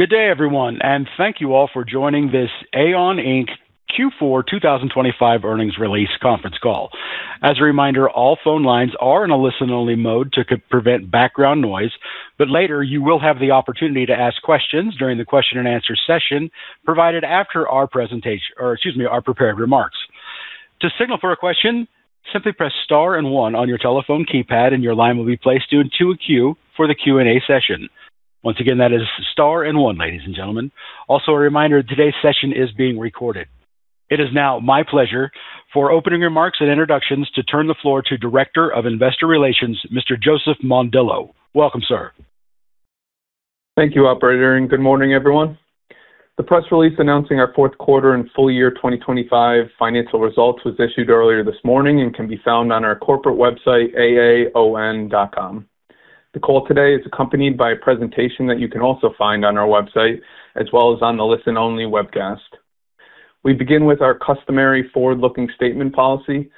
Good day everyone, thank you all for joining this AAON, Inc. Q4 2025 earnings release conference call. As a reminder, all phone lines are in a listen-only mode to prevent background noise, but later you will have the opportunity to ask questions during the question and answer session provided after our prepared remarks. To signal for a question, simply press star and one on your telephone keypad and your line will be placed into a queue for the Q&A session. Once again, that is star and one, ladies and gentlemen. A reminder, today's session is being recorded. It is now my pleasure for opening remarks and introductions to turn the floor to Director of Investor Relations, Mr. Joseph Mondillo. Welcome, sir. Thank you, operator. Good morning everyone. The press release announcing our fourth quarter and full year 2025 financial results was issued earlier this morning and can be found on our corporate website, aaon.com. The call today is accompanied by a presentation that you can also find on our website as well as on the listen-only webcast. We begin with our customary forward-looking statement policy.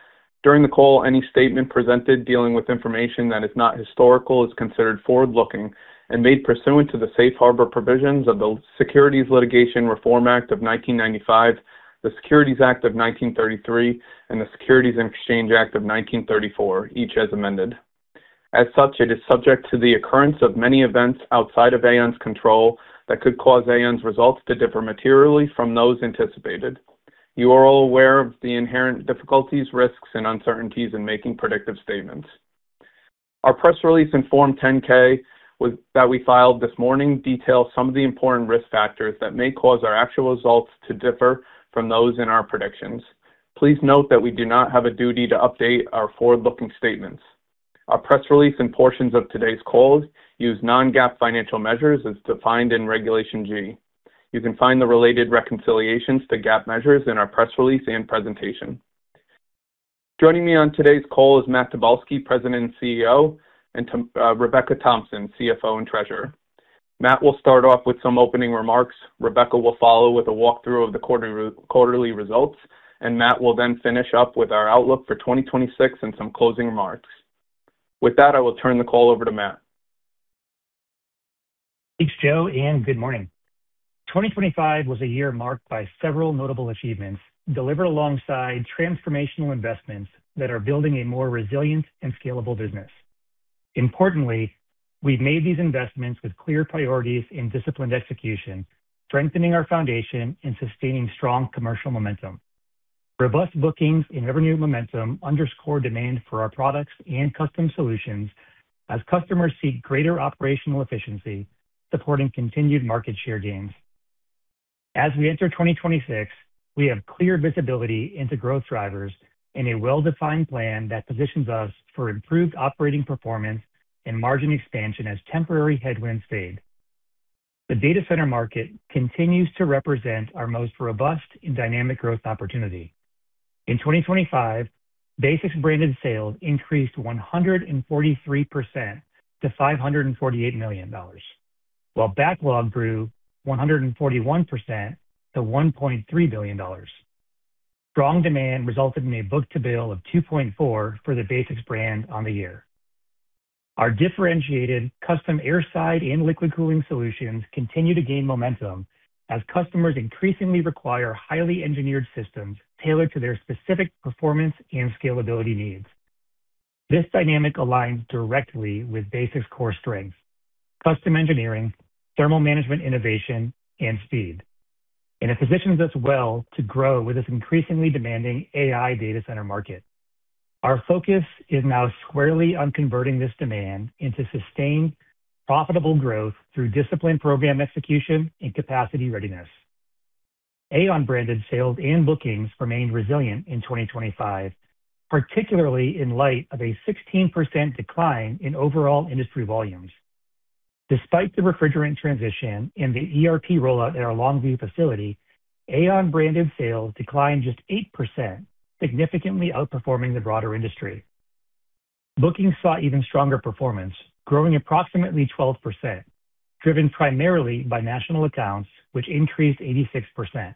During the call, any statement presented dealing with information that is not historical is considered forward-looking and made pursuant to the Safe Harbor Provisions of the Private Securities Litigation Reform Act of 1995, the Securities Act of 1933, and the Securities Exchange Act of 1934, each as amended. As such, it is subject to the occurrence of many events outside of AAON's control that could cause AAON's results to differ materially from those anticipated. You are all aware of the inherent difficulties, risks, and uncertainties in making predictive statements. Our press release in Form 10-K was, that we filed this morning details some of the important risk factors that may cause our actual results to differ from those in our predictions. Please note that we do not have a duty to update our forward-looking statements. Our press release and portions of today's calls use non-GAAP financial measures as defined in Regulation G. You can find the related reconciliations to GAAP measures in our press release and presentation. Joining me on today's call is Matt Tobolski, President and CEO, and Rebecca Thompson, CFO and Treasurer. Matt will start off with some opening remarks. Rebecca will follow with a walkthrough of the quarterly results, and Matt will then finish up with our outlook for 2026 and some closing remarks. With that, I will turn the call over to Matt. Thanks, Joe. Good morning. 2025 was a year marked by several notable achievements delivered alongside transformational investments that are building a more resilient and scalable business. Importantly, we've made these investments with clear priorities in disciplined execution, strengthening our foundation and sustaining strong commercial momentum. Robust bookings and revenue momentum underscore demand for our products and custom solutions as customers seek greater operational efficiency, supporting continued market share gains. As we enter 2026, we have clear visibility into growth drivers and a well-defined plan that positions us for improved operating performance and margin expansion as temporary headwinds fade. The data center market continues to represent our most robust and dynamic growth opportunity. In 2025, BASX branded sales increased 143% to $548 million, while backlog grew 141% to $1.3 billion. Strong demand resulted in a book-to-bill of 2.4 for the BASX brand on the year. Our differentiated custom airside and liquid cooling solutions continue to gain momentum as customers increasingly require highly engineered systems tailored to their specific performance and scalability needs. This dynamic aligns directly with BASX's core strengths: custom engineering, thermal management, innovation, and speed. It positions us well to grow with this increasingly demanding AI data center market. Our focus is now squarely on converting this demand into sustained profitable growth through disciplined program execution and capacity readiness. AAON branded sales and bookings remained resilient in 2025, particularly in light of a 16% decline in overall industry volumes. Despite the refrigerant transition and the ERP rollout at our Longview facility, AAON branded sales declined just 8%, significantly outperforming the broader industry. Bookings saw even stronger performance, growing approximately 12%, driven primarily by national accounts, which increased 86%.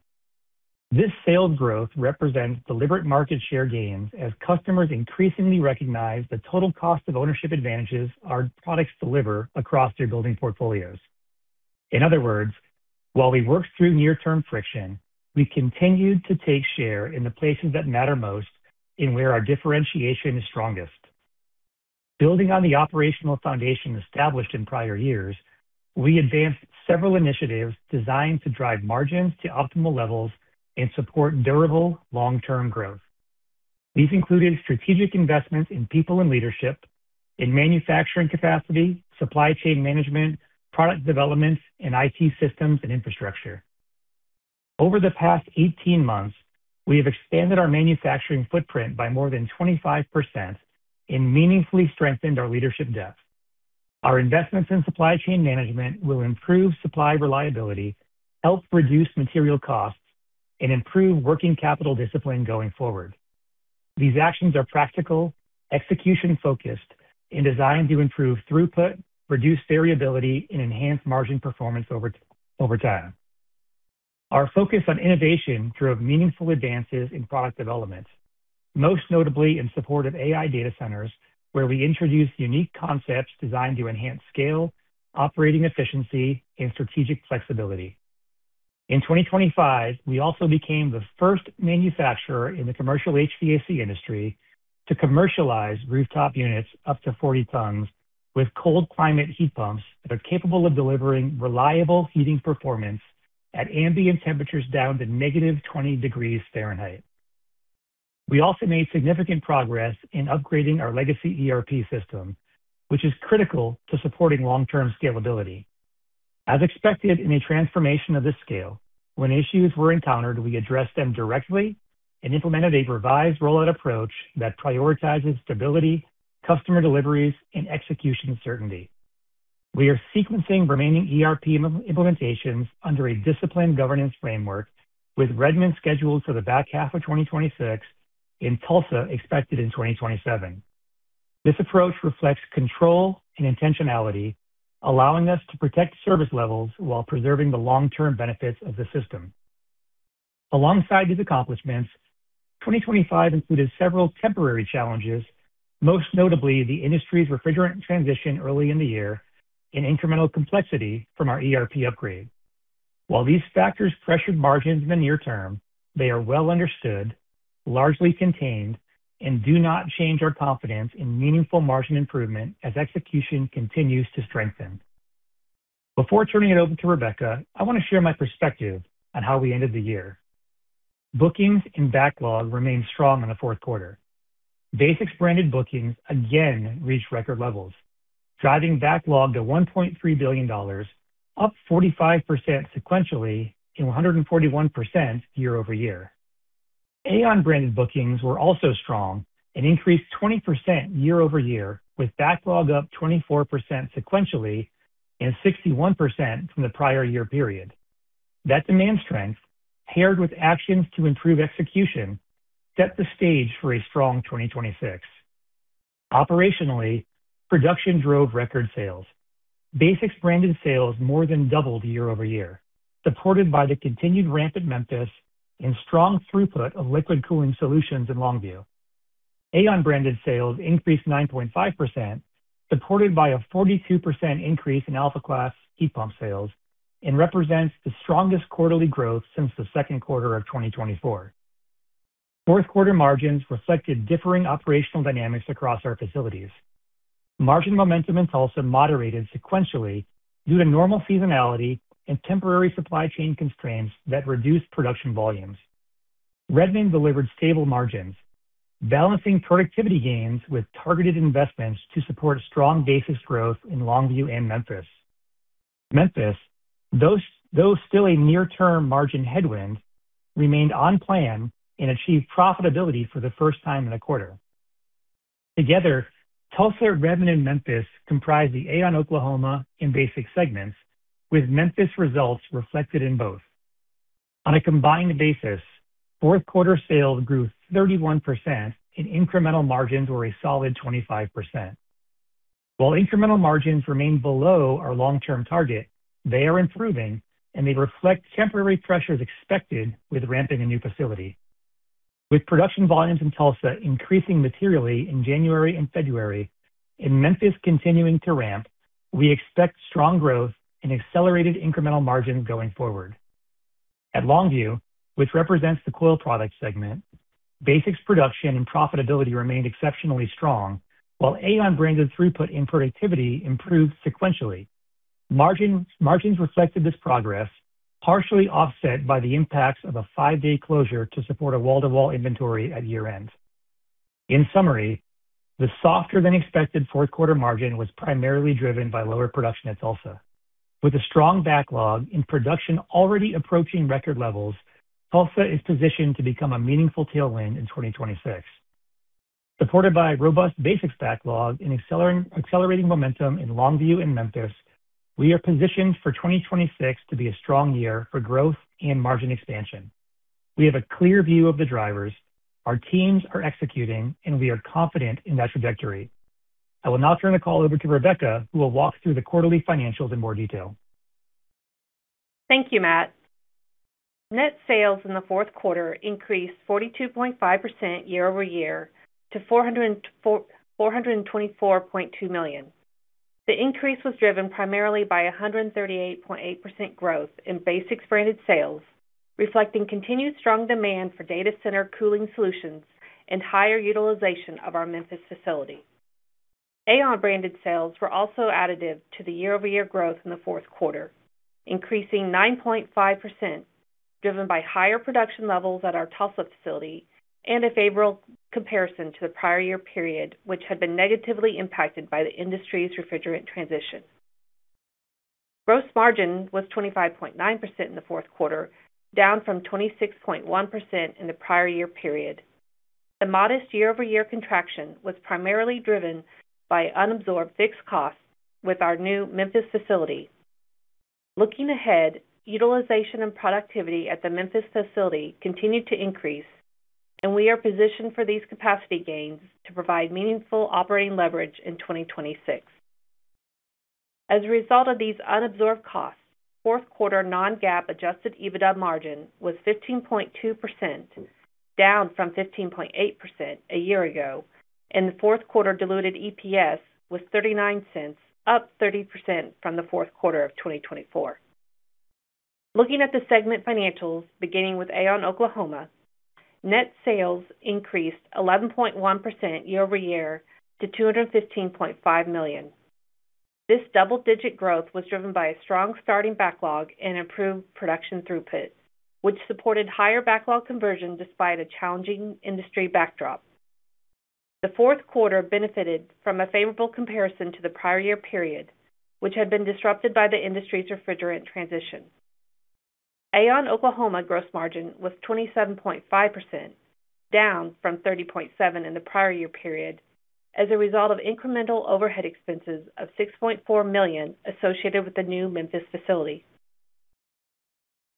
This sales growth represents deliberate market share gains as customers increasingly recognize the total cost of ownership advantages our products deliver across their building portfolios. In other words, while we worked through near-term friction, we continued to take share in the places that matter most and where our differentiation is strongest. Building on the operational foundation established in prior years, we advanced several initiatives designed to drive margins to optimal levels and support durable long-term growth. These included strategic investments in people and leadership, in manufacturing capacity, supply chain management, product development, and IT systems and infrastructure. Over the past 18 months, we have expanded our manufacturing footprint by more than 25% and meaningfully strengthened our leadership depth. Our investments in supply chain management will improve supply reliability, help reduce material costs, and improve working capital discipline going forward. These actions are practical, execution-focused, and designed to improve throughput, reduce variability, and enhance margin performance over time. Our focus on innovation drove meaningful advances in product development, most notably in support of AI data centers, where we introduced unique concepts designed to enhance scale, operating efficiency, and strategic flexibility. In 2025, we also became the first manufacturer in the commercial HVAC industry to commercialize rooftop units up to 40 tons with Cold Climate Heat Pumps that are capable of delivering reliable heating performance at ambient temperatures down to -20 degrees Fahrenheit. We also made significant progress in upgrading our legacy ERP system, which is critical to supporting long term scalability. As expected in a transformation of this scale, when issues were encountered, we addressed them directly and implemented a revised rollout approach that prioritizes stability, customer deliveries, and execution certainty. We are sequencing remaining ERP implementations under a disciplined governance framework, with Redmond scheduled for the back half of 2026 and Tulsa expected in 2027. This approach reflects control and intentionality, allowing us to protect service levels while preserving the long term benefits of the system. Alongside these accomplishments, 2025 included several temporary challenges, most notably the industry's refrigerant transition early in the year and incremental complexity from our ERP upgrade. While these factors pressured margins in the near term, they are well understood, largely contained, and do not change our confidence in meaningful margin improvement as execution continues to strengthen. Before turning it over to Rebecca, I want to share my perspective on how we ended the year. Bookings and backlog remained strong in the fourth quarter. BASX branded bookings again reached record levels, driving backlog to $1.3 billion, up 45% sequentially and 141% year-over-year. AAON branded bookings were also strong and increased 20% year-over-year, with backlog up 24% sequentially and 61% from the prior year period. That demand strength, paired with actions to improve execution, set the stage for a strong 2026. Operationally, production drove record sales. BASX branded sales more than doubled year-over-year, supported by the continued ramp at Memphis and strong throughput of liquid cooling solutions in Longview. AAON branded sales increased 9.5%, supported by a 42% increase in Alpha Class heat pump sales, represents the strongest quarterly growth since the second quarter of 2024. Fourth quarter margins reflected differing operational dynamics across our facilities. Margin momentum in Tulsa moderated sequentially due to normal seasonality and temporary supply chain constraints that reduced production volumes. Redmond delivered stable margins, balancing productivity gains with targeted investments to support strong BASX growth in Longview and Memphis. Memphis, though still a near term margin headwind, remained on plan and achieved profitability for the first time in a quarter. Together, Tulsa, Redmond, and Memphis comprise the AAON Oklahoma and BASX segments, with Memphis results reflected in both. On a combined basis, fourth quarter sales grew 31% and incremental margins were a solid 25%. While incremental margins remain below our long term target, they are improving. They reflect temporary pressures expected with ramping a new facility. With production volumes in Tulsa increasing materially in January and February and Memphis continuing to ramp, we expect strong growth and accelerated incremental margin going forward. At Longview, which represents the Coil Products segment, BASX production and profitability remained exceptionally strong, while AAON branded throughput and productivity improved sequentially. Margins reflected this progress, partially offset by the impacts of a five-day closure to support a wall-to-wall inventory at year-end. In summary, the softer than expected fourth quarter margin was primarily driven by lower production at Tulsa. With a strong backlog and production already approaching record levels, Tulsa is positioned to become a meaningful tailwind in 2026. Supported by robust basics backlog and accelerating momentum in Longview and Memphis, we are positioned for 2026 to be a strong year for growth and margin expansion. We have a clear view of the drivers, our teams are executing, and we are confident in that trajectory. I will now turn the call over to Rebecca, who will walk through the quarterly financials in more detail. Thank you, Matt. Net sales in the fourth quarter increased 42.5% year-over-year to $424.2 million. The increase was driven primarily by 138.8% growth in BASX branded sales, reflecting continued strong demand for data center cooling solutions and higher utilization of our Memphis facility. AAON branded sales were also additive to the year-over-year growth in the fourth quarter, increasing 9.5%, driven by higher production levels at our Tulsa facility and a favorable comparison to the prior year period, which had been negatively impacted by the industry's refrigerant transition. Gross margin was 25.9% in the fourth quarter, down from 26.1% in the prior year period. The modest year-over-year contraction was primarily driven by unabsorbed fixed costs with our new Memphis facility. Looking ahead, utilization and productivity at the Memphis facility continued to increase, and we are positioned for these capacity gains to provide meaningful operating leverage in 2026. As a result of these unabsorbed costs, fourth quarter non-GAAP adjusted EBITDA margin was 15.2%, down from 15.8% a year ago, and the fourth quarter diluted EPS was $0.39, up 30% from the fourth quarter of 2024. Looking at the segment financials, beginning with AAON Oklahoma, net sales increased 11.1% year-over-year to $215.5 million. This double-digit growth was driven by a strong starting backlog and improved production throughput, which supported higher backlog conversion despite a challenging industry backdrop. The fourth quarter benefited from a favorable comparison to the prior year period, which had been disrupted by the industry's refrigerant transition. AAON Oklahoma gross margin was 27.5%, down from 30.7% in the prior year period as a result of incremental overhead expenses of $6.4 million associated with the new Memphis facility.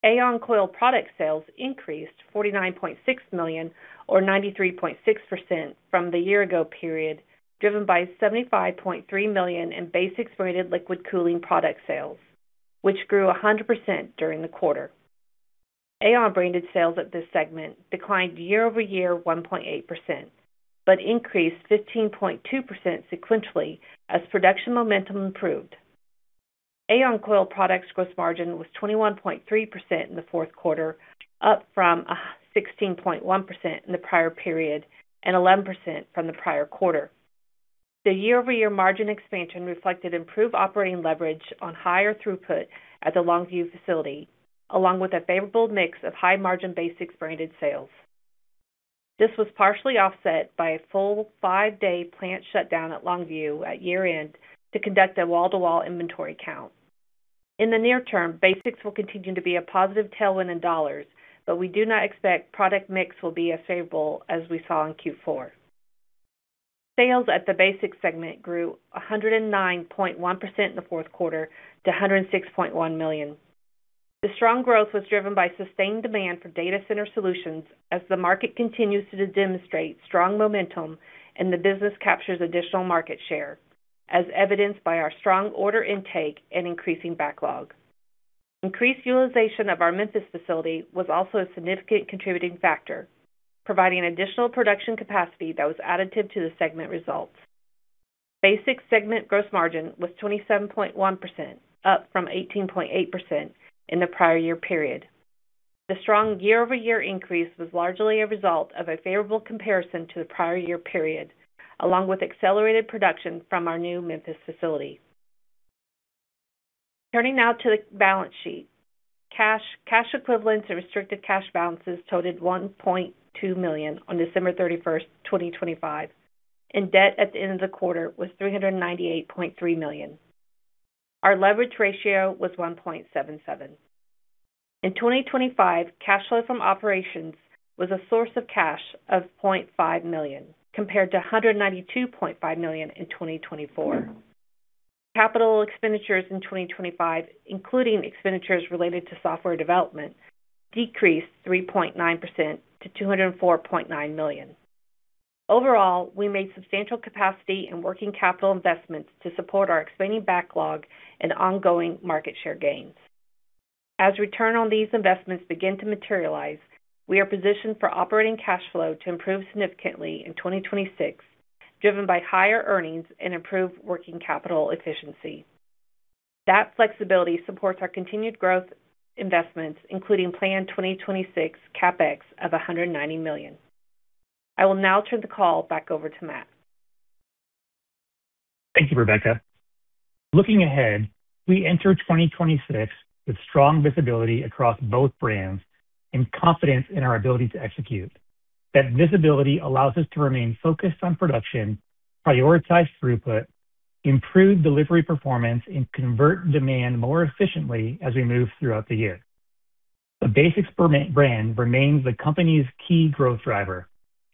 AAON Coil Products sales increased $49.6 million or 93.6% from the year ago period, driven by $75.3 million in BASX branded liquid cooling product sales, which grew 100% during the quarter. AAON branded sales at this segment declined year-over-year 1.8%, increased 15.2% sequentially as production momentum improved. AAON Coil Products gross margin was 21.3% in the fourth quarter, up from 16.1% in the prior period and 11% from the prior quarter. The year-over-year margin expansion reflected improved operating leverage on higher throughput at the Longview facility, along with a favorable mix of high margin BASX branded sales. This was partially offset by a full five-day plant shutdown at Longview at year-end to conduct a wall-to-wall inventory count. In the near term, BASX will continue to be a positive tailwind in dollars, but we do not expect product mix will be as favorable as we saw in Q4. Sales at the BASX segment grew 109.1% in the fourth quarter to $106.1 million. The strong growth was driven by sustained demand for data center solutions as the market continues to demonstrate strong momentum and the business captures additional market share, as evidenced by our strong order intake and increasing backlog. Increased utilization of our Memphis facility was also a significant contributing factor, providing additional production capacity that was additive to the segment results. BASX segment gross margin was 27.1%, up from 18.8% in the prior year period. The strong year-over-year increase was largely a result of a favorable comparison to the prior year period, along with accelerated production from our new Memphis facility. Turning now to the balance sheet. Cash, cash equivalents and restricted cash balances totaled $1.2 million on December 31, 2025, and debt at the end of the quarter was $398.3 million. Our leverage ratio was 1.77. In 2025, cash flow from operations was a source of cash of $0.5 million, compared to $192.5 million in 2024. Capital expenditures in 2025, including expenditures related to software development, decreased 3.9% to $204.9 million. Overall, we made substantial capacity and working capital investments to support our expanding backlog and ongoing market share gains. As return on these investments begin to materialize, we are positioned for operating cash flow to improve significantly in 2026, driven by higher earnings and improved working capital efficiency. That flexibility supports our continued growth investments, including planned 2026 CapEx of $190 million. I will now turn the call back over to Matt. Thank you, Rebecca. Looking ahead, we enter 2026 with strong visibility across both brands and confidence in our ability to execute. That visibility allows us to remain focused on production, prioritize throughput, improve delivery performance, and convert demand more efficiently as we move throughout the year. The BASX brand remains the company's key growth driver,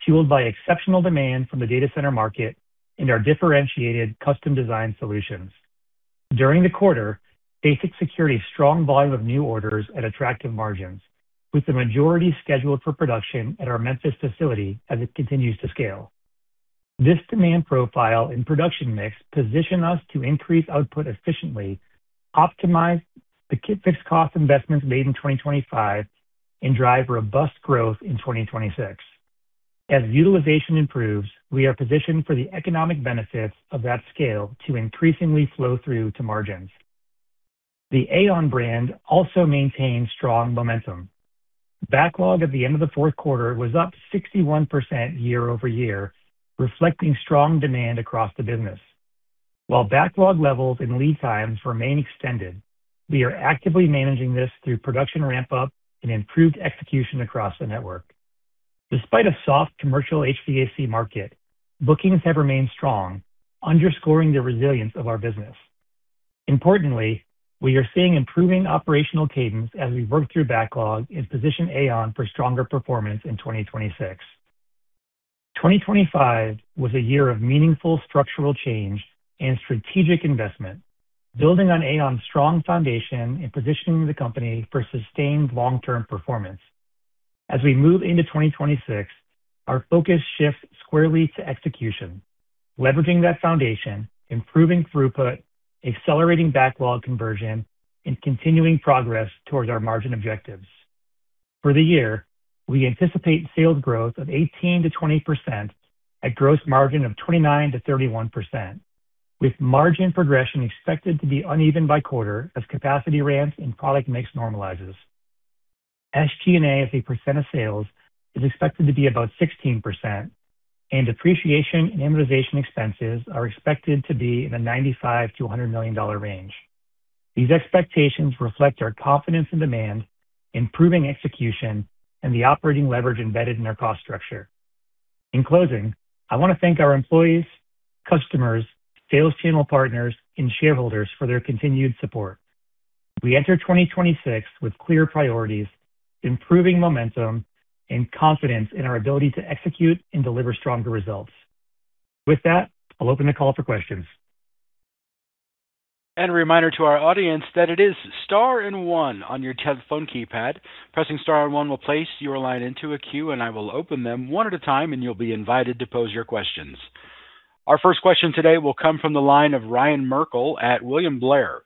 fueled by exceptional demand from the data center market and our differentiated custom design solutions. During the quarter, BASX secured a strong volume of new orders at attractive margins, with the majority scheduled for production at our Memphis facility as it continues to scale. This demand profile and production mix position us to increase output efficiently, optimize the fixed cost investments made in 2025, and drive robust growth in 2026. As utilization improves, we are positioned for the economic benefits of that scale to increasingly flow through to margins. The AAON brand also maintains strong momentum. Backlog at the end of the fourth quarter was up 61% year-over-year, reflecting strong demand across the business. While backlog levels and lead times remain extended, we are actively managing this through production ramp up and improved execution across the network. Despite a soft commercial HVAC market, bookings have remained strong, underscoring the resilience of our business. Importantly, we are seeing improving operational cadence as we work through backlog and position AAON for stronger performance in 2026. 2025 was a year of meaningful structural change and strategic investment, building on AAON's strong foundation and positioning the company for sustained long-term performance. As we move into 2026, our focus shifts squarely to execution, leveraging that foundation, improving throughput, accelerating backlog conversion, and continuing progress towards our margin objectives. For the year, we anticipate sales growth of 18%-20% at gross margin of 29%-31%, with margin progression expected to be uneven by quarter as capacity ramps and product mix normalizes. SG&A as a percent of sales is expected to be about 16%. Depreciation and amortization expenses are expected to be in the $95 million-$100 million range. These expectations reflect our confidence in demand, improving execution, and the operating leverage embedded in our cost structure. In closing, I want to thank our employees, customers, sales channel partners, and shareholders for their continued support. We enter 2026 with clear priorities, improving momentum, and confidence in our ability to execute and deliver stronger results. With that, I'll open the call for questions. A reminder to our audience that it is star one on your telephone keypad. Pressing star one will place your line into a queue, and I will open them one at a time, and you'll be invited to pose your questions. Our first question today will come from the line of Ryan Merkel at William Blair.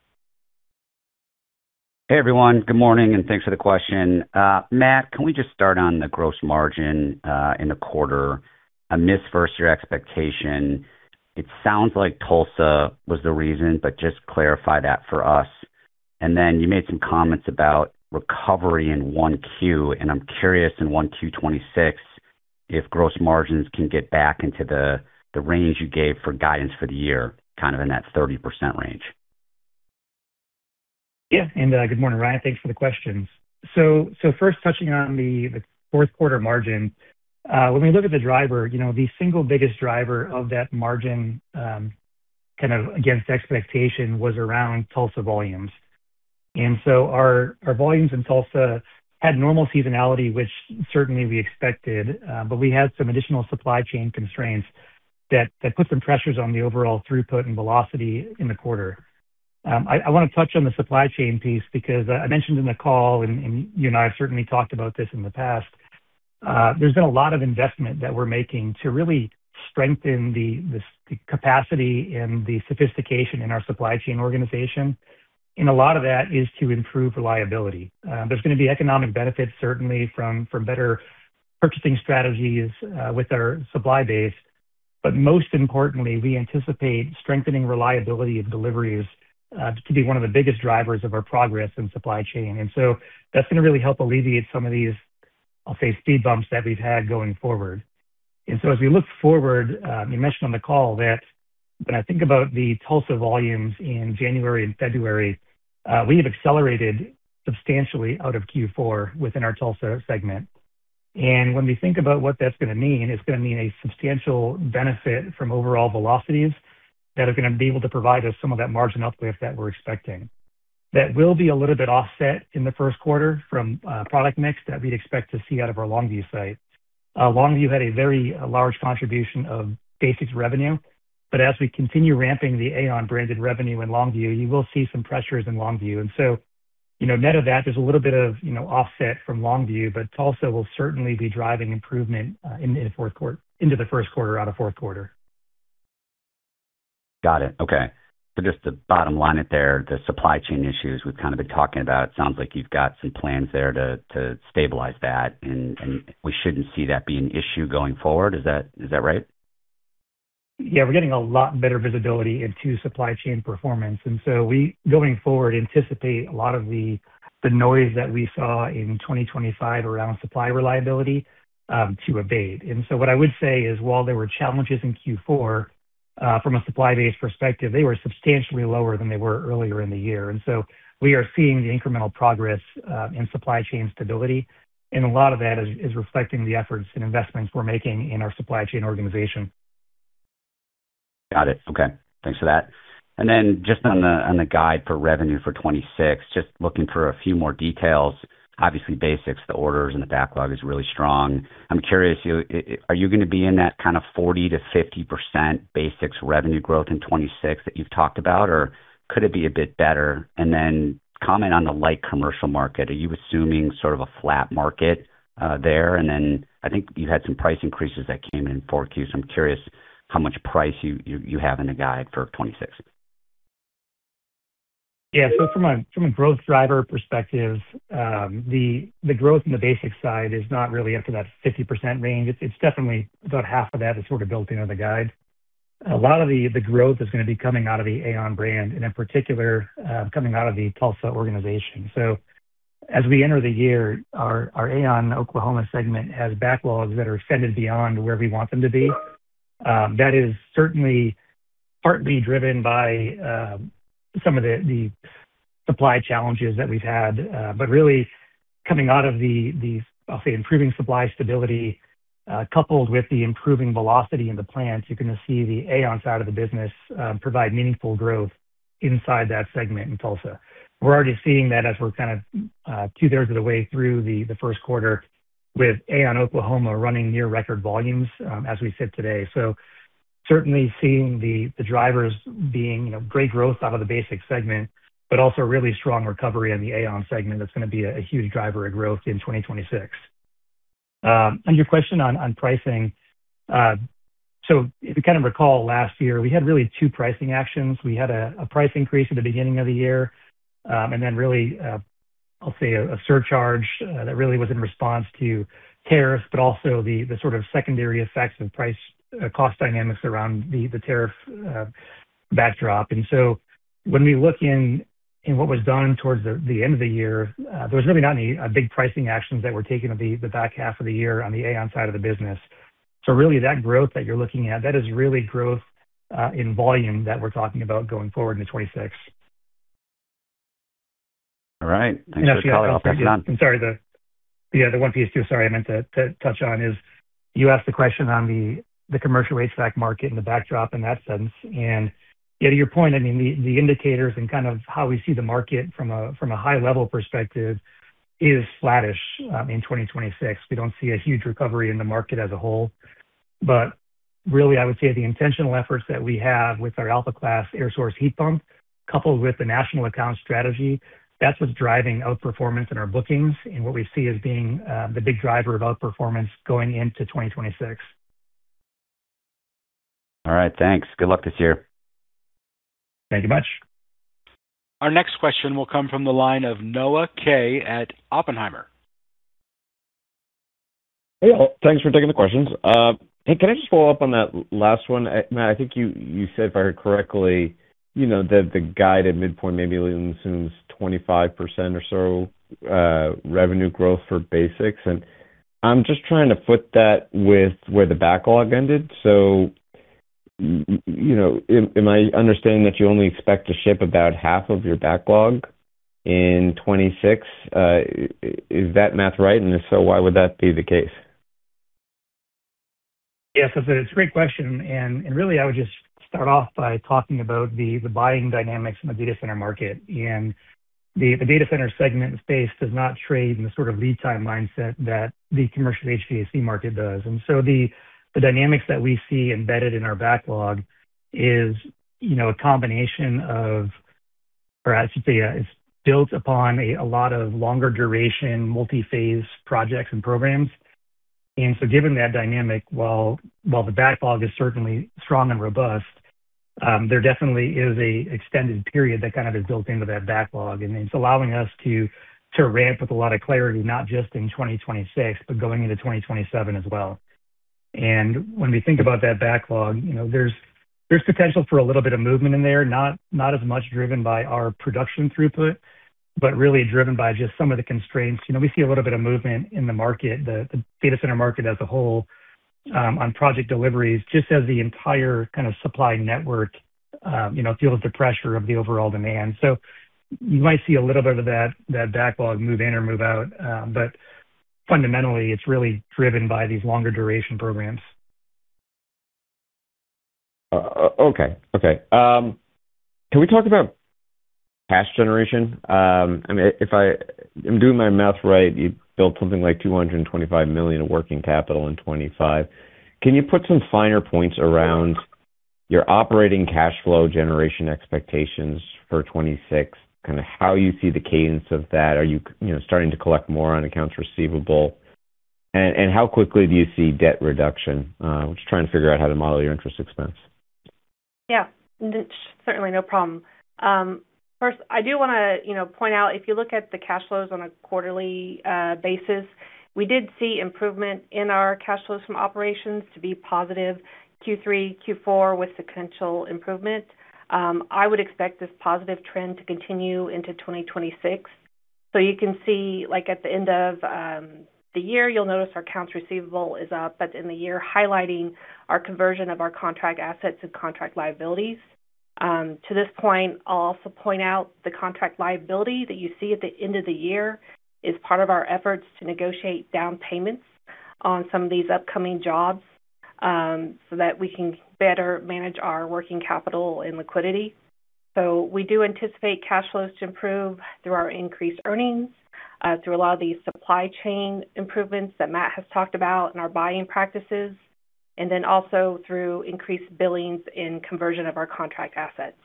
Hey, everyone. Good morning, and thanks for the question. Matt, can we just start on the gross margin in the quarter? I missed versus your expectation. It sounds like Tulsa was the reason, but just clarify that for us. You made some comments about recovery in 1Q, and I'm curious in 1Q 2026 if gross margins can get back into the range you gave for guidance for the year, kind of in that 30% range. Yeah. Good morning, Ryan. Thanks for the questions. First, touching on the fourth quarter margin. When we look at the driver, you know, the single biggest driver of that margin, kind of against expectation was around Tulsa volumes. Our volumes in Tulsa had normal seasonality, which certainly we expected, but we had some additional supply chain constraints that put some pressures on the overall throughput and velocity in the quarter. I wanna touch on the supply chain piece because I mentioned in the call and you and I have certainly talked about this in the past. There's been a lot of investment that we're making to really strengthen the capacity and the sophistication in our supply chain organization, and a lot of that is to improve reliability. There's gonna be economic benefits certainly from better purchasing strategies with our supply base. Most importantly, we anticipate strengthening reliability of deliveries to be one of the biggest drivers of our progress in supply chain. That's gonna really help alleviate some of these, I'll say, speed bumps that we've had going forward. As we look forward, you mentioned on the call that when I think about the Tulsa volumes in January and February, we have accelerated substantially out of Q4 within our Tulsa segment. When we think about what that's gonna mean, it's gonna mean a substantial benefit from overall velocities that are gonna be able to provide us some of that margin uplift that we're expecting. That will be a little bit offset in the first quarter from product mix that we'd expect to see out of our Longview site. Longview had a very large contribution of BASX revenue, but as we continue ramping the AAON branded revenue in Longview, you will see some pressures in Longview. You know, net of that, there's a little bit of, you know, offset from Longview, but Tulsa will certainly be driving improvement into the first quarter out of fourth quarter. Got it. Okay. Just to bottom-line it there, the supply chain issues we've kind of been talking about, sounds like you've got some plans there to stabilize that, and we shouldn't see that be an issue going forward. Is that right? Yeah. We're getting a lot better visibility into supply chain performance. We, going forward, anticipate a lot of the noise that we saw in 2025 around supply reliability to abate. What I would say is, while there were challenges in Q4 from a supply base perspective, they were substantially lower than they were earlier in the year. We are seeing the incremental progress in supply chain stability, and a lot of that is reflecting the efforts and investments we're making in our supply chain organization. Got it. Okay. Thanks for that. Just on the, on the guide for revenue for 26, just looking for a few more details. Obviously, BASX, the orders and the backlog is really strong. I'm curious, are you gonna be in that kind of 40%-50% BASX revenue growth in 26 that you've talked about, or could it be a bit better? Comment on the light commercial market. Are you assuming sort of a flat market there? I think you had some price increases that came in 4Qs. I'm curious how much price you have in the guide for 26. Yeah. From a, from a growth driver perspective, the growth in the BASX side is not really up to that 50% range. It's definitely about half of that is sort of built into the guide. A lot of the growth is gonna be coming out of the AAON brand and, in particular, coming out of the Tulsa organization. As we enter the year, our AAON Oklahoma segment has backlogs that are extended beyond where we want them to be. That is certainly partly driven by some of the supply challenges that we've had. Really coming out of the, I'll say, improving supply stability, coupled with the improving velocity in the plants, you're gonna see the AAON side of the business provide meaningful growth inside that segment in Tulsa. We're already seeing that as we're kind of two-thirds of the way through the first quarter with AAON Oklahoma running near record volumes as we sit today. Certainly seeing the drivers being, you know, great growth out of the BASX segment, but also a really strong recovery in the AAON segment that's gonna be a huge driver of growth in 2026. On your question on pricing. If you kind of recall last year we had really two pricing actions. We had a price increase at the beginning of the year, and then really, I'll say a surcharge that really was in response to tariffs, but also the sort of secondary effects of price, cost dynamics around the tariff backdrop. When we look in what was done towards the end of the year, there was really not any big pricing actions that were taken at the back half of the year on the AAON side of the business. Really that growth that you're looking at, that is really growth in volume that we're talking about going forward into 2026. All right. Thanks for the color. I'll pass it on. I'm sorry, the other one piece too, sorry I meant to touch on is you asked the question on the commercial HVAC market and the backdrop in that sense. Yeah, to your point, I mean, the indicators and kind of how we see the market from a high level perspective is flattish in 2026. We don't see a huge recovery in the market as a whole. Really I would say the intentional efforts that we have with our Alpha Class air source heat pump coupled with the national account strategy, that's what's driving outperformance in our bookings and what we see as being the big driver of outperformance going into 2026. All right, thanks. Good luck this year. Thank you much. Our next question will come from the line of Noah Kaye at Oppenheimer. Hey all. Thanks for taking the questions. Hey, can I just follow up on that last one? Matt, I think you said, if I heard correctly, you know, the guide at midpoint maybe assumes 25% or so, revenue growth for BASX. I'm just trying to foot that with where the backlog ended. You know, am I understanding that you only expect to ship about half of your backlog in 2026? Is that math right? And if so, why would that be the case? Yes. It's a great question, and really I would just start off by talking about the buying dynamics in the data center market. The data center segment and space does not trade in the sort of lead time mindset that the commercial HVAC market does. The dynamics that we see embedded in our backlog is, you know, a combination of, or I should say, is built upon a lot of longer duration, multi-phase projects and programs. Given that dynamic, while the backlog is certainly strong and robust, there definitely is a extended period that kind of is built into that backlog. It's allowing us to ramp with a lot of clarity, not just in 2026, but going into 2027 as well. When we think about that backlog, you know, there's potential for a little bit of movement in there, not as much driven by our production throughput, but really driven by just some of the constraints. You know, we see a little bit of movement in the market, the data center market as a whole, on project deliveries, just as the entire kind of supply network, you know, deals with the pressure of the overall demand. You might see a little bit of that backlog move in or move out. Fundamentally, it's really driven by these longer duration programs. Okay. Okay. Can we talk about cash generation? I mean, if I'm doing my math right, you built something like $225 million in working capital in 2025. Can you put some finer points around your operating cash flow generation expectations for 2026? Kind of how you see the cadence of that. Are you know, starting to collect more on accounts receivable? How quickly do you see debt reduction? I'm just trying to figure out how to model your interest expense. Yeah. Certainly, no problem. First I do wanna, you know, point out if you look at the cash flows on a quarterly basis, we did see improvement in our cash flows from operations to be positive Q3, Q4 with sequential improvement. I would expect this positive trend to continue into 2026. You can see, like at the end of the year, you'll notice our accounts receivable is up, but in the year highlighting our conversion of our contract assets and contract liabilities. To this point, I'll also point out the contract liability that you see at the end of the year is part of our efforts to negotiate down payments on some of these upcoming jobs, so that we can better manage our working capital and liquidity. We do anticipate cash flows to improve through our increased earnings, through a lot of these supply chain improvements that Matt has talked about in our buying practices, and then also through increased billings in conversion of our contract assets.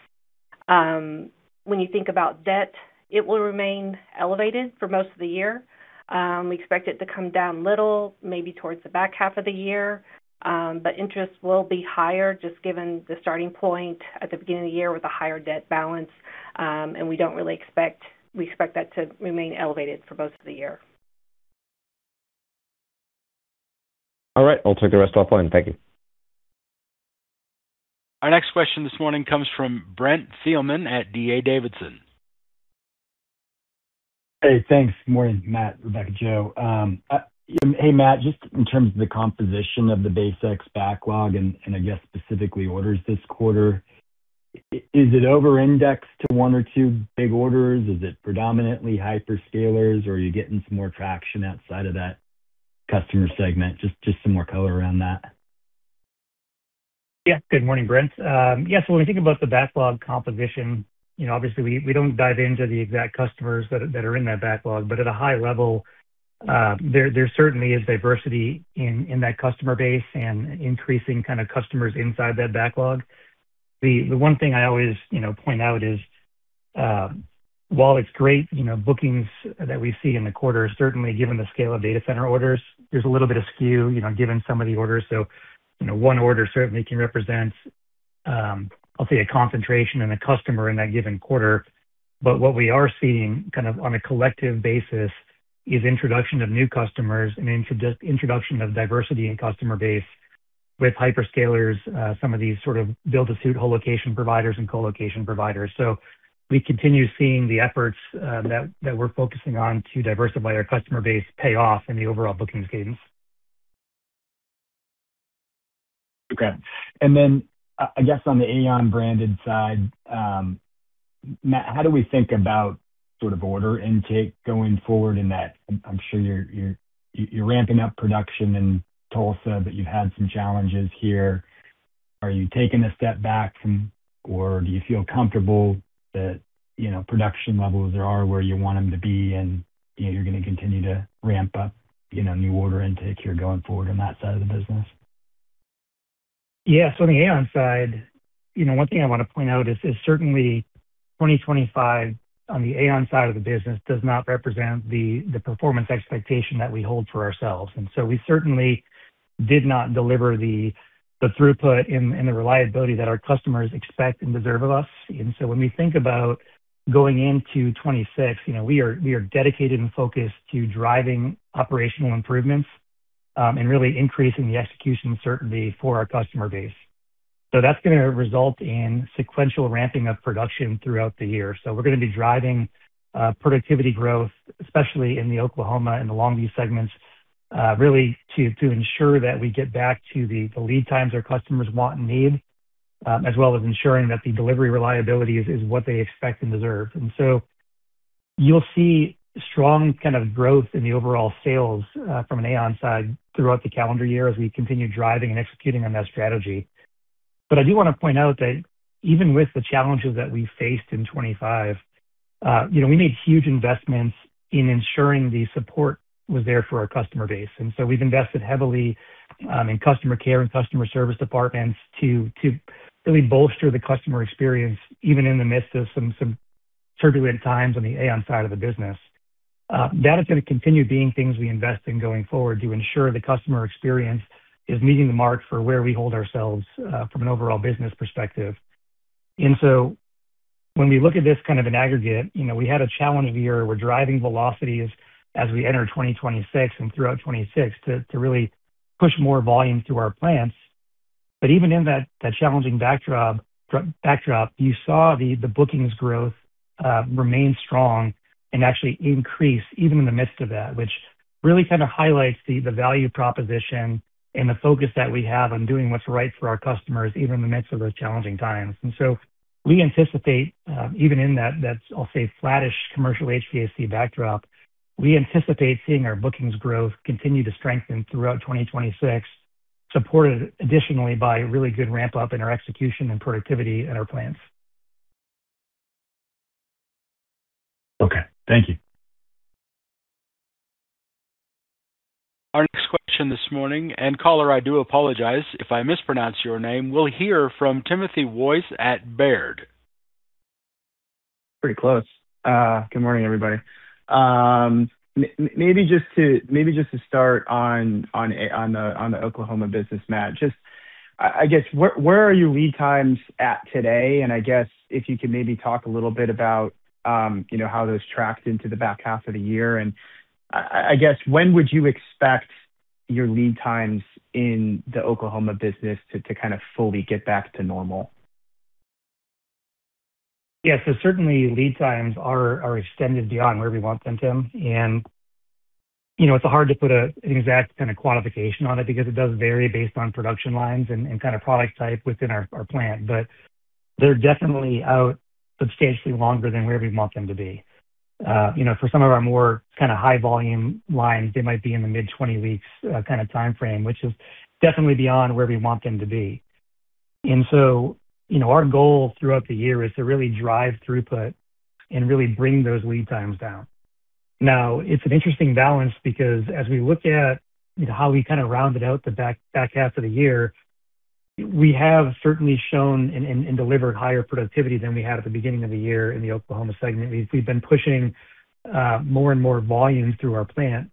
When you think about debt, it will remain elevated for most of the year. We expect it to come down a little maybe towards the back half of the year. Interest will be higher just given the starting point at the beginning of the year with a higher debt balance. We expect that to remain elevated for most of the year. All right. I'll take the rest off line. Thank you. Our next question this morning comes from Brent Thielman at D.A. Davidson. Hey, thanks. Morning, Matt, Rebecca, Joe. Hey, Matt, just in terms of the composition of the BASX backlog and I guess specifically orders this quarter, is it over-indexed to one or two big orders? Is it predominantly hyperscalers, or are you getting some more traction outside of that customer segment? Just some more color around that. Good morning, Brent. When we think about the backlog composition, you know, obviously we don't dive into the exact customers that are in that backlog, but at a high level, there certainly is diversity in that customer base and increasing kind of customers inside that backlog. The one thing I always, you know, point out is, while it's great, you know, bookings that we see in the quarter, certainly given the scale of data center orders, there's a little bit of skew, you know, given some of the orders. You know, one order certainly can represent, I'll say a concentration in a customer in that given quarter. What we are seeing kind of on a collective basis is introduction of new customers and introduction of diversity in customer base with hyperscalers, some of these sort of build to suit colocation providers and colocation providers. We continue seeing the efforts that we're focusing on to diversify our customer base pay off in the overall bookings cadence. Okay. I guess on the AAON branded side, Matt, how do we think about sort of order intake going forward in that I'm sure you're ramping up production in Tulsa, but you've had some challenges here? Are you taking a step back from or do you feel comfortable that, you know, production levels are where you want them to be and, you know, you're gonna continue to ramp up, you know, new order intake here going forward on that side of the business? Yeah. On the AAON side, you know, one thing I want to point out is certainly 2025 on the AAON side of the business does not represent the performance expectation that we hold for ourselves. We certainly did not deliver the throughput and the reliability that our customers expect and deserve of us. When we think about going into 2026, you know, we are dedicated and focused to driving operational improvements and really increasing the execution certainty for our customer base. That's gonna result in sequential ramping of production throughout the year. We're gonna be driving productivity growth, especially in the Oklahoma and the Longview segments, really to ensure that we get back to the lead times our customers want and need, as well as ensuring that the delivery reliability is what they expect and deserve. You'll see strong kind of growth in the overall sales from an AAON side throughout the calendar year as we continue driving and executing on that strategy. I do want to point out that even with the challenges that we faced in 2025, you know, we made huge investments in ensuring the support was there for our customer base. We've invested heavily in customer care and customer service departments to really bolster the customer experience, even in the midst of some turbulent times on the AAON side of the business. That is gonna continue being things we invest in going forward to ensure the customer experience is meeting the mark for where we hold ourselves from an overall business perspective. When we look at this kind of an aggregate, you know, we had a challenging year. We're driving velocities as we enter 2026 and throughout 2026 to really push more volume through our plants. Even in that challenging backdrop, you saw the bookings growth remain strong and actually increase even in the midst of that, which really kind of highlights the value proposition and the focus that we have on doing what's right for our customers, even in the midst of those challenging times. We anticipate even in that I'll say flattish commercial HVAC backdrop, we anticipate seeing our bookings growth continue to strengthen throughout 2026, supported additionally by really good ramp up in our execution and productivity at our plants. Okay. Thank you. Our next question this morning, and caller, I do apologize if I mispronounce your name, we'll hear from Timothy Wojs at Baird. Pretty close. Good morning, everybody. Maybe just to start on the Oklahoma business, Matt, just I guess where are your lead times at today? I guess if you could maybe talk a little bit about, you know, how those tracked into the back half of the year. I guess when would you expect your lead times in the Oklahoma business to kind of fully get back to normal? Yeah. Certainly lead times are extended beyond where we want them to. You know, it's hard to put an exact kind of quantification on it because it does vary based on production lines and kind of product type within our plant. They're definitely out substantially longer than where we want them to be. You know, for some of our more kinda high volume lines, they might be in the mid 20 weeks kind of time frame, which is definitely beyond where we want them to be. You know, our goal throughout the year is to really drive throughput and really bring those lead times down. Now it's an interesting balance because as we look at, you know, how we kind of rounded out the back half of the year, we have certainly shown and delivered higher productivity than we had at the beginning of the year in the Oklahoma segment. We've been pushing more and more volume through our plant.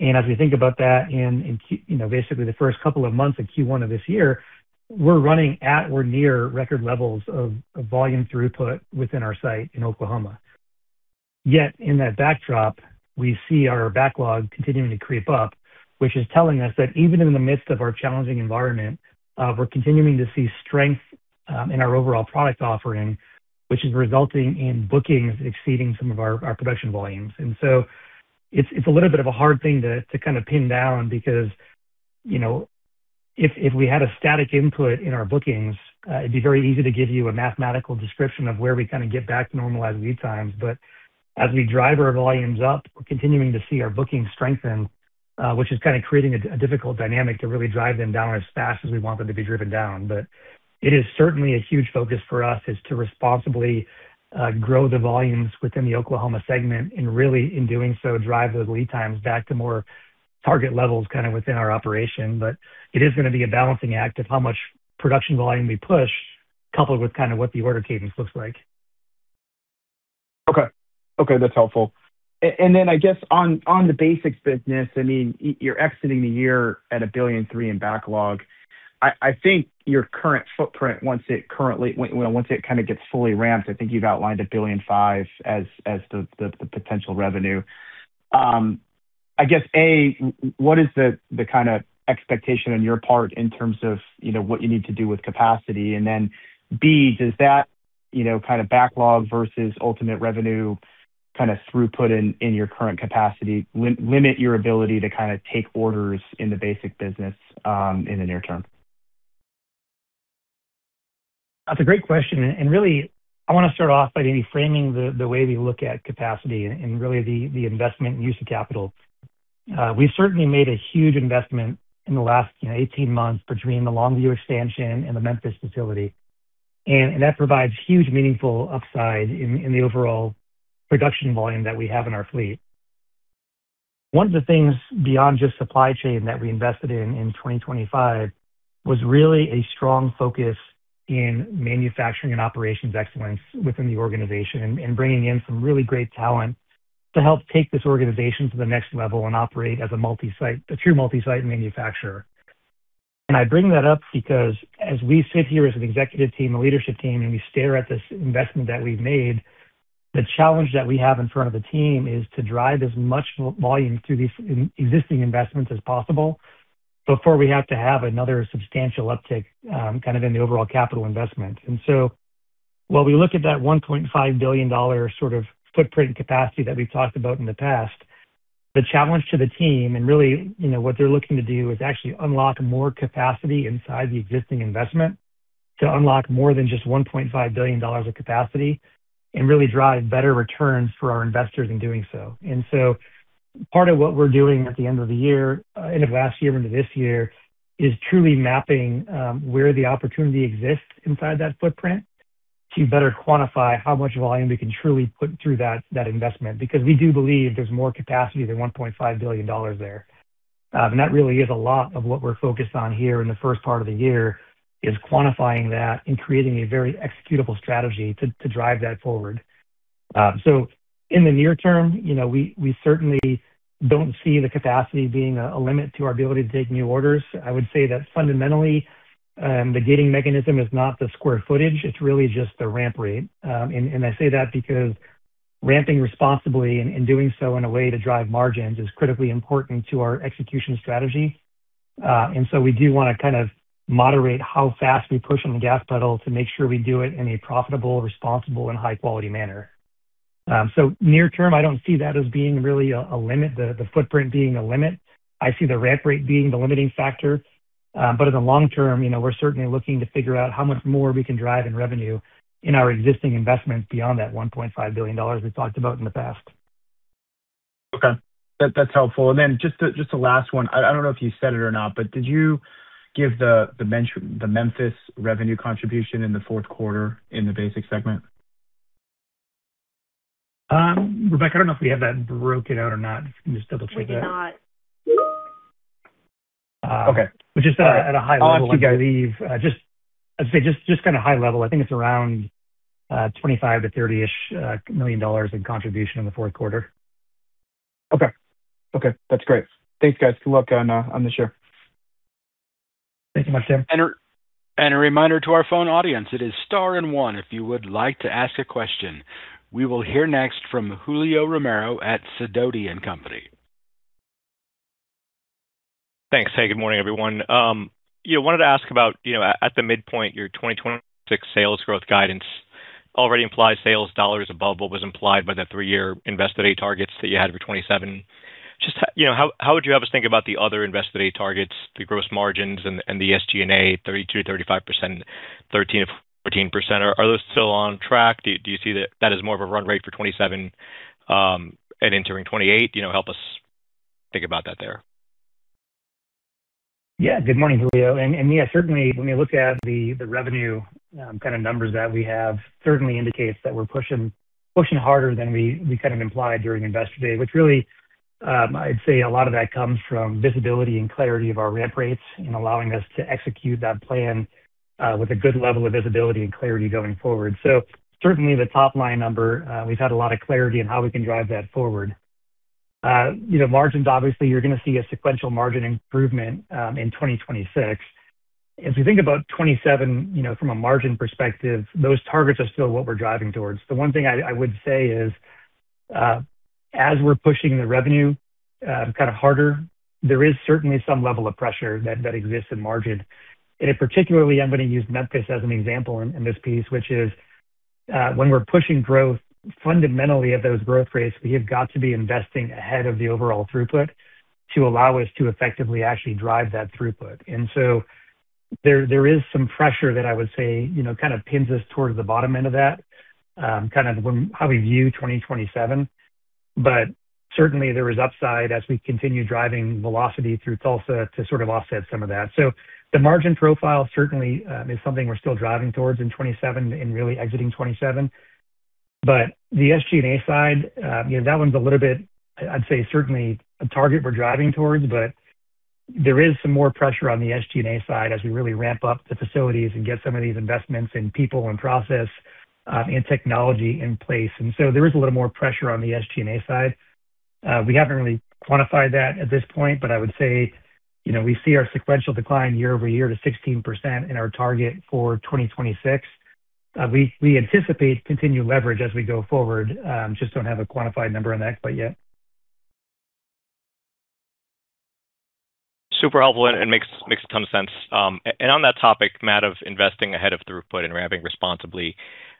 As we think about that in, you know, basically the first couple of months of Q1 of this year, we're running at or near record levels of volume throughput within our site in Oklahoma. In that backdrop, we see our backlog continuing to creep up, which is telling us that even in the midst of our challenging environment, we're continuing to see strength in our overall product offering, which is resulting in bookings exceeding some of our production volumes. It's a little bit of a hard thing to kind of pin down because, you know, if we had a static input in our bookings, it'd be very easy to give you a mathematical description of where we kind of get back to normalized lead times. As we drive our volumes up, we're continuing to see our bookings strengthen, which is kind of creating a difficult dynamic to really drive them down as fast as we want them to be driven down. It is certainly a huge focus for us, is to responsibly grow the volumes within the Oklahoma segment and really, in doing so, drive those lead times back to more target levels kind of within our operation. It is gonna be a balancing act of how much production volume we push, coupled with kind of what the order cadence looks like. Okay. Okay, that's helpful. I guess on the BASX business, I mean, you're exiting the year at $1.3 billion in backlog. I think your current footprint, well, once it kind of gets fully ramped, I think you've outlined $1.5 billion as the potential revenue. I guess, A, what is the kind of expectation on your part in terms of, you know, what you need to do with capacity? B, does that, you know, kind of backlog versus ultimate revenue kind of throughput in your current capacity limit your ability to kind of take orders in the BASX business in the near term? That's a great question. Really I wanna start off by really framing the way we look at capacity and really the investment and use of capital. We certainly made a huge investment in the last, you know, 18 months between the Longview expansion and the Memphis facility. That provides huge, meaningful upside in the overall production volume that we have in our fleet. One of the things beyond just supply chain that we invested in in 2025 was really a strong focus in manufacturing and operations excellence within the organization and bringing in some really great talent to help take this organization to the next level and operate as a multi-site, a true multi-site manufacturer. I bring that up because as we sit here as an executive team, a leadership team, and we stare at this investment that we've made, the challenge that we have in front of the team is to drive as much volume through these existing investments as possible before we have to have another substantial uptick, kind of in the overall capital investment. While we look at that $1.5 billion sort of footprint capacity that we've talked about in the past, the challenge to the team, and really, you know, what they're looking to do is actually unlock more capacity inside the existing investment to unlock more than just $1.5 billion of capacity and really drive better returns for our investors in doing so. Part of what we're doing at the end of the year, end of last year into this year, is truly mapping, where the opportunity exists inside that footprint to better quantify how much volume we can truly put through that investment. Because we do believe there's more capacity than $1.5 billion there. That really is a lot of what we're focused on here in the first part of the year, is quantifying that and creating a very executable strategy to drive that forward. So in the near term, you know, we certainly don't see the capacity being a limit to our ability to take new orders. I would say that fundamentally, the gating mechanism is not the square footage, it's really just the ramp rate. I say that because ramping responsibly and doing so in a way to drive margins is critically important to our execution strategy. We do wanna kind of moderate how fast we push on the gas pedal to make sure we do it in a profitable, responsible, and high-quality manner. Near term, I don't see that as being really a limit, the footprint being a limit. I see the ramp rate being the limiting factor. In the long term, you know, we're certainly looking to figure out how much more we can drive in revenue in our existing investments beyond that $1.5 billion we've talked about in the past. Okay. That's helpful. Then just a last one. I don't know if you said it or not, but did you give the Memphis revenue contribution in the fourth quarter in the BASX segment? Rebecca, I don't know if we have that broken out or not. I can just double-check that. We do not. Okay. Which is at a high level, I believe. I'll ask you guys. I'd say just kind of high level, I think it's around $25 million-$30 million-ish in contribution in the fourth quarter. Okay. Okay, that's great. Thanks, guys. Good luck on the share. Thank you much, Tim. A reminder to our phone audience, it is star and one if you would like to ask a question. We will hear next from Julio Romero at Sidoti & Company. Thanks. Hey, good morning, everyone. Yeah, wanted to ask about, you know, at the midpoint, your 2026 sales growth guidance already implies sales dollars above what was implied by the three-year Investor Day targets that you had for 2027. You know, how would you have us think about the other Investor Day targets, the gross margins and the SG&A, 32%-35%, 13%-14%? Are those still on track? Do you see that that is more of a run rate for 2027, and entering 2028? You know, help us think about that there. Yeah. Good morning, Julio. Yeah, certainly when we look at the revenue, kind of numbers that we have certainly indicates that we're pushing harder than we kind of implied during Investor Day, which really, I'd say a lot of that comes from visibility and clarity of our ramp rates and allowing us to execute that plan with a good level of visibility and clarity going forward. Certainly the top line number, we've had a lot of clarity on how we can drive that forward. You know, margins, obviously you're gonna see a sequential margin improvement in 2026. As we think about 2027, you know, from a margin perspective, those targets are still what we're driving towards. The one thing I would say is, as we're pushing the revenue, kind of harder, there is certainly some level of pressure that exists in margin. In particularly, I'm gonna use Memphis as an example in this piece, which is, when we're pushing growth fundamentally at those growth rates, we have got to be investing ahead of the overall throughput to allow us to effectively actually drive that throughput. There is some pressure that I would say, you know, kind of pins us towards the bottom end of that, kind of how we view 2027. Certainly there is upside as we continue driving velocity through Tulsa to sort of offset some of that. The margin profile certainly, is something we're still driving towards in 2027 and really exiting 2027. The SG&A side, you know, that one's a little bit, I'd say, certainly a target we're driving towards, but there is some more pressure on the SG&A side as we really ramp up the facilities and get some of these investments in people and process and technology in place. There is a little more pressure on the SG&A side. We haven't really quantified that at this point, but I would say, you know, we see our sequential decline year-over-year to 16% in our target for 2026. We anticipate continued leverage as we go forward, just don't have a quantified number on that quite yet. Super helpful, makes a ton of sense. On that topic, Matt, of investing ahead of throughput and ramping responsibly,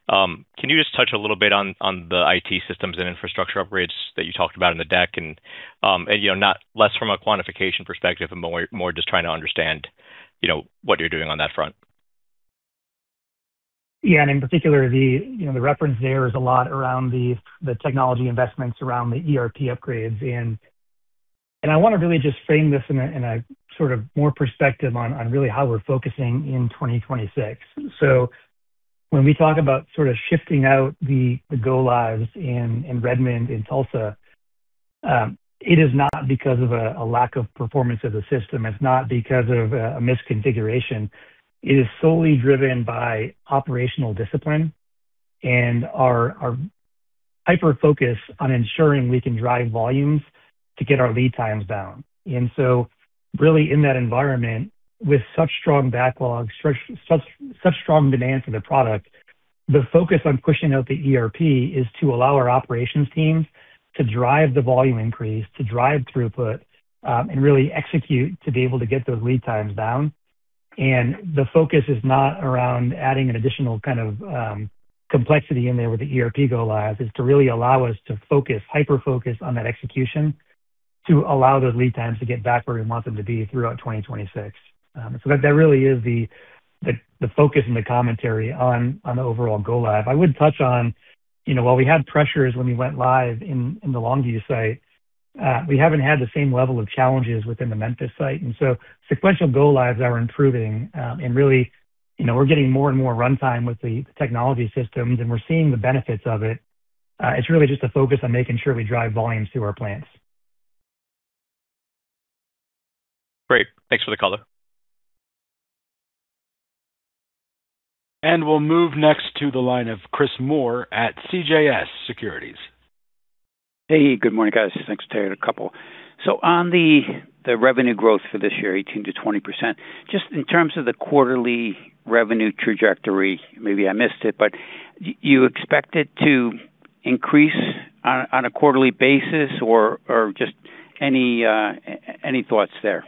can you just touch a little bit on the IT systems and infrastructure upgrades that you talked about in the deck and, you know, less from a quantification perspective and more just trying to understand, you know, what you're doing on that front? Yeah. In particular, the, you know, the reference there is a lot around the technology investments around the ERP upgrades. I wanna really just frame this in a, in a sort of more perspective on really how we're focusing in 2026. When we talk about sort of shifting out the go lives in Redmond, in Tulsa, it is not because of a lack of performance of the system. It's not because of a misconfiguration. It is solely driven by operational discipline and our hyper-focus on ensuring we can drive volumes to get our lead times down. Really in that environment, with such strong backlogs, such strong demand for the product, the focus on pushing out the ERP is to allow our operations teams to drive the volume increase, to drive throughput, and really execute to be able to get those lead times down. The focus is not around adding an additional kind of, complexity in there with the ERP go live, it's to really allow us to focus, hyper-focus on that execution to allow those lead times to get back where we want them to be throughout 2026. So that really is the focus and the commentary on the overall go live. I would touch on, you know, while we had pressures when we went live in the Longview site, we haven't had the same level of challenges within the Memphis site. Sequential go lives are improving. Really, you know, we're getting more and more runtime with the technology systems and we're seeing the benefits of it. It's really just a focus on making sure we drive volumes through our plants. Great. Thanks for the color. We'll move next to the line of Chris Moore at CJS Securities. Hey, good morning, guys. Thanks, Terry and couple. On the revenue growth for this year, 18%-20%, just in terms of the quarterly revenue trajectory, maybe I missed it, but you expect it to increase on a quarterly basis or just any thoughts there?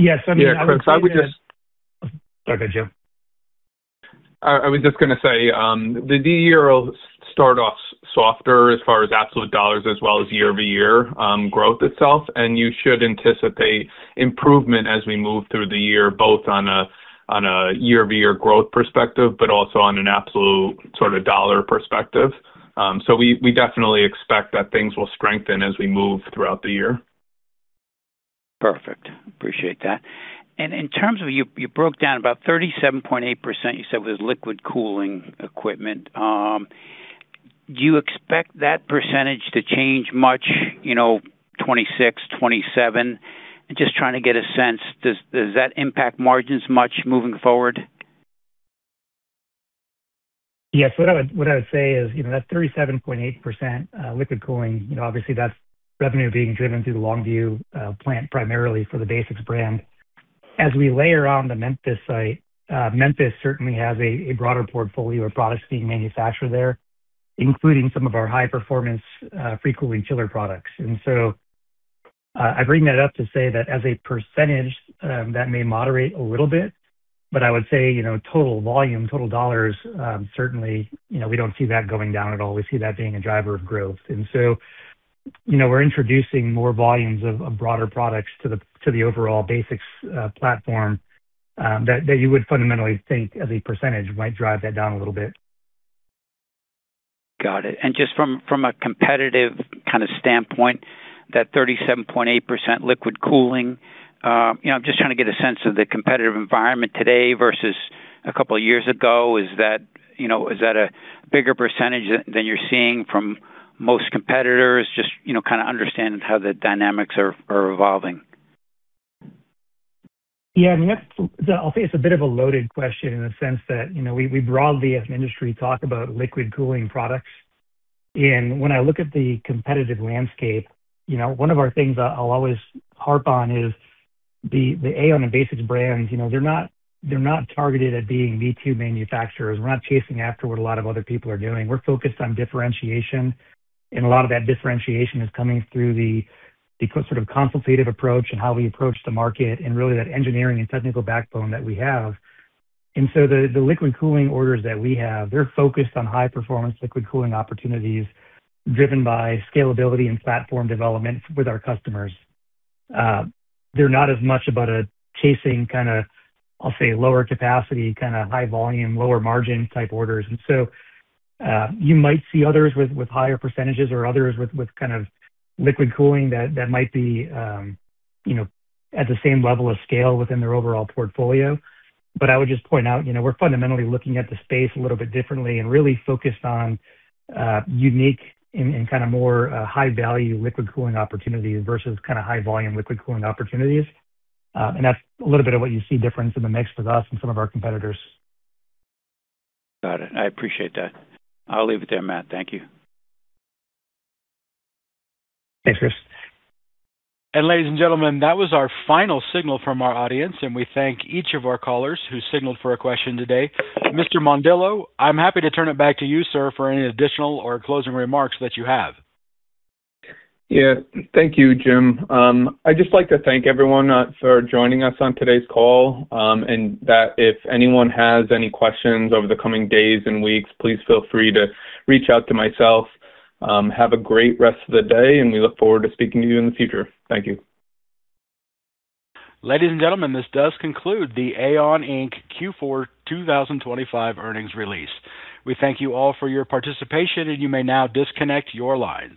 Yes. Yeah, Chris, I would. Go ahead, Joe. I was just gonna say, the year will start off softer as far as absolute dollars as well as year-over-year growth itself. You should anticipate improvement as we move through the year, both on a year-over-year growth perspective, but also on an absolute sort of dollar perspective. We definitely expect that things will strengthen as we move throughout the year. Perfect. Appreciate that. In terms of you broke down about 37.8% you said was liquid cooling equipment. Do you expect that percentage to change much, you know, 2026, 2027? Just trying to get a sense, does that impact margins much moving forward? Yes. What I would say is, you know, that 37.8% liquid cooling, you know, obviously that's revenue being driven through the Longview plant primarily for the BASX brand. As we layer on the Memphis site, Memphis certainly has a broader portfolio of products being manufactured there, including some of our high performance free cooling chiller products. I bring that up to say that as a percentage, that may moderate a little bit, but I would say, you know, total volume, total dollars, certainly, you know, we don't see that going down at all. We see that being a driver of growth. You know, we're introducing more volumes of broader products to the overall BASX platform that you would fundamentally think as a percentage might drive that down a little bit. Got it. Just from a competitive kinda standpoint, that 37.8% liquid cooling, you know, I'm just trying to get a sense of the competitive environment today versus a couple years ago. Is that, you know, is that a bigger percentage than you're seeing from most competitors? Just, you know, kinda understanding how the dynamics are evolving. Yeah, I mean, I'll say it's a bit of a loaded question in the sense that, you know, we broadly as an industry talk about liquid cooling products. When I look at the competitive landscape, you know, one of our things I'll always harp on is the AAON and BASX brands, you know, they're not targeted at being me too manufacturers. We're not chasing after what a lot of other people are doing. We're focused on differentiation, and a lot of that differentiation is coming through the sort of consultative approach and how we approach the market and really that engineering and technical backbone that we have. The liquid cooling orders that we have, they're focused on high performance liquid cooling opportunities driven by scalability and platform development with our customers. They're not as much about a chasing kinda, I'll say, lower capacity, kinda high volume, lower margin type orders. You might see others with higher percentages or others with kind of liquid cooling that might be, you know, at the same level of scale within their overall portfolio. I would just point out, you know, we're fundamentally looking at the space a little bit differently and really focused on, unique and kinda more, high value liquid cooling opportunities versus kinda high volume liquid cooling opportunities. That's a little bit of what you see difference in the mix with us and some of our competitors. Got it. I appreciate that. I'll leave it there, Matt. Thank you. Thanks, Chris. Ladies and gentlemen, that was our final signal from our audience. We thank each of our callers who signaled for a question today. Mr. Mondillo, I'm happy to turn it back to you, sir, for any additional or closing remarks that you have. Yeah. Thank you, Jim. I'd just like to thank everyone for joining us on today's call. If anyone has any questions over the coming days and weeks, please feel free to reach out to myself. Have a great rest of the day, and we look forward to speaking to you in the future. Thank you. Ladies and gentlemen, this does conclude the AAON, Inc. Q4 2025 earnings release. We thank you all for your participation. You may now disconnect your lines.